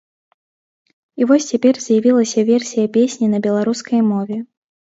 І вось цяпер з'явілася версія песні на беларускай мове.